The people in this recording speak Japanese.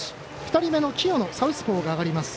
２人目の清野サウスポーが上がります。